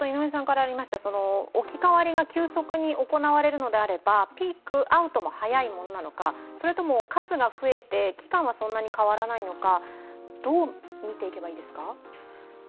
置き換わりが急速に行われるのであればピークアウトも早いものなのか、数が増えて、期間はそんな変わらないのかどう見ていけばいいですか？